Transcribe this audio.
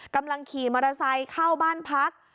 กำลังขี่มอเตอร์ไซค์เข้าบ้านพัก